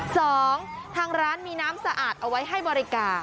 สองทางร้านมีน้ำสะอาดเอาไว้ให้บริการ